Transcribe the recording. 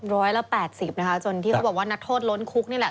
ร้อยละแปดสิบนะคะจนที่เขาบอกว่านักโทษล้นคุกนี่แหละ